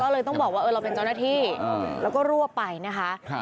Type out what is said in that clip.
ก็เลยต้องบอกว่าเราเป็นเจ้าหน้าที่แล้วก็รวบไปนะคะ